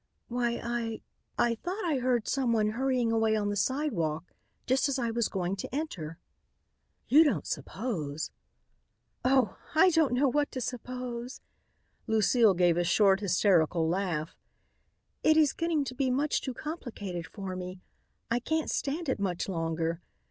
"Why, I I thought I heard someone hurrying away on the sidewalk just as I was going to enter." "You don't suppose " "Oh, I don't know what to suppose," Lucile gave a short, hysterical laugh. "It is getting to be much too complicated for me. I can't stand it much longer.